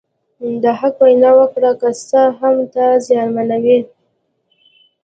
د حق وینا وکړه که څه هم تا زیانمنوي.